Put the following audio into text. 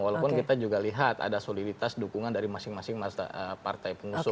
walaupun kita juga lihat ada soliditas dukungan dari masing masing partai pengusung